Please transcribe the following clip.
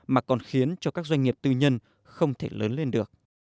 mà còn khiến cho các doanh nghiệp tư nhân không thể lớn lên được